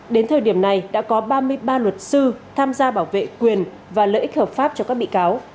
đến thời điểm này đã có ba mươi ba luật sư tham gia bảo vệ quyền và lợi ích hợp pháp cho các bị cáo